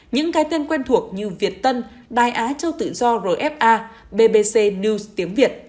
những cái tên quen thuộc như việt tân đài á châu tự do rfa bbc news tiếng việt